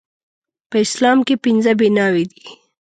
په اسلام کې پنځه بناوې دي